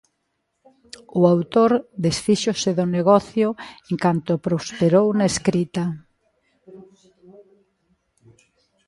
O autor desfíxose do negocio en canto prosperou na escrita.